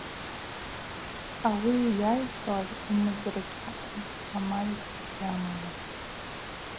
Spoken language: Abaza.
Ауи йайхӏвуаз ймырзачӏакӏва амаль гьамамызтӏ.